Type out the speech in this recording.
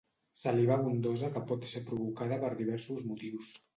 Saliva abundosa que pot ser provocada per diversos motius.